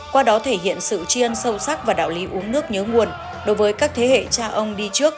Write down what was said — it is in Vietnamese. qua đó thể hiện sự chiên sâu sắc và đạo lý uống nước nhớ nguồn đối với các thế hệ cha ông đi trước